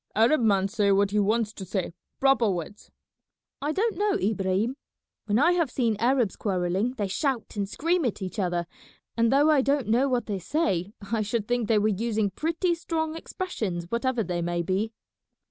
"Arab man say what he wants to say, proper words." "I don't know, Ibrahim. When I have seen Arabs quarrelling they shout and scream at each other, and though I don't know what they say I should think they were using pretty strong expressions whatever they may be."